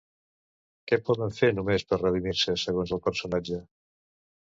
Què poden fer només per redimir-se, segons el personatge?